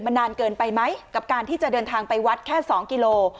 มันนานเกินไปไหมกับการที่จะเดินทางไปวัดแค่๒กิโล